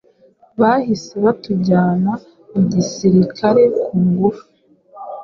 bahise batujyana mu gisirikare ku ngufu